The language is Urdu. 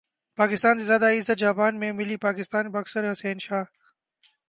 پاکستان سے زیادہ عزت جاپان میں ملی پاکستانی باکسر حسین شاہ